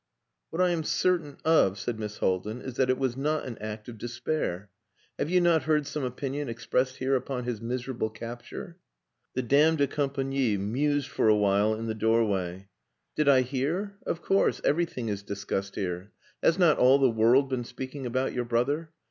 "What I am certain of," said Miss Haldin, "is that it was not an act of despair. Have you not heard some opinion expressed here upon his miserable capture?" The dame de compagnie mused for a while in the doorway. "Did I hear? Of course, everything is discussed here. Has not all the world been speaking about your brother?